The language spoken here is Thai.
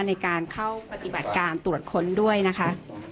ในการเข้าปฏิบัติการตรวจค้นด้วยนะคะ